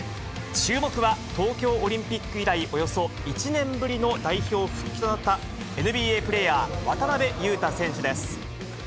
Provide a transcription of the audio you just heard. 注目は、東京オリンピック以来、およそ１年ぶりの代表復帰となった、ＮＢＡプレーヤー、渡邊雄太選手です。